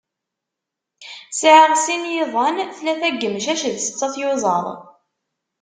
Sεiɣ sin yiḍan, tlata n yimcac d setta tyuzaḍ.